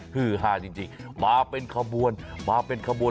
ฮือฮาจริงมาเป็นขบวนมาเป็นขบวน